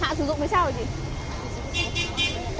hạn sử dụng là sao hả chị